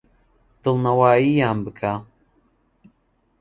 دڵنەوایییان بکە.